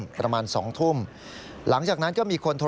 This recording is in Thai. แล้วก็ลุกลามไปยังตัวผู้ตายจนถูกไฟคลอกนะครับ